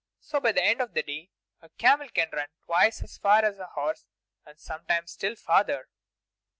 So by the end of the day a camel can run twice as far as a horse, and sometimes still farther.